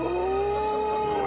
すごい。